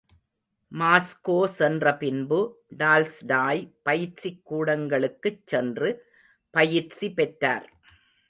Moscow சென்ற பின்பு, Tolstoy பயிற்சிக் கூடங்களுக்குச் சென்று பயிற்சி பெற்றார்.